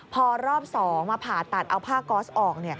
พอรอบ๒มาผ่าตัดเอาผ้าก๊อสออก